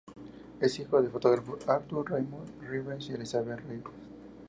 Es hijo del fotógrafo Arthur Raymond Reeves y de Elizabeth Reeves.